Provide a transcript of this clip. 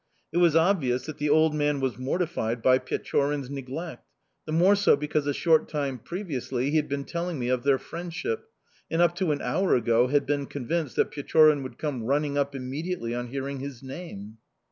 It was obvious that the old man was mortified by Pechorin's neglect, the more so because a short time previously he had been telling me of their friendship, and up to an hour ago had been convinced that Pechorin would come running up immediately on hearing his name.